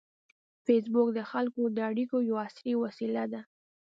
فېسبوک د خلکو د اړیکو یوه عصري وسیله ده